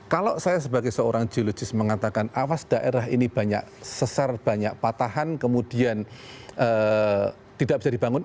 kalau saya sebagai seorang geologis mengatakan awas daerah ini banyak sesar banyak patahan kemudian tidak bisa dibangun